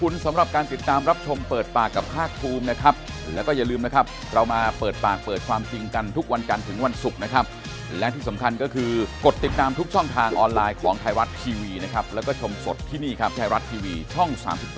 นั่นรถก็ยังไหลไปต่อนะไหนคำว่าเบรกอยู่ไหน